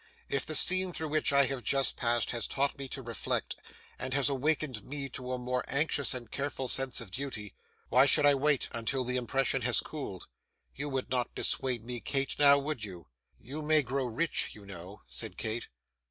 If the scene through which I have just passed has taught me to reflect, and has awakened me to a more anxious and careful sense of duty, why should I wait until the impression has cooled? You would not dissuade me, Kate; now would you?' 'You may grow rich, you know,' said Kate.